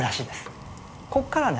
ここからね